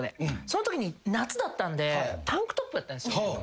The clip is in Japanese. そのときに夏だったんでタンクトップだったんですよ。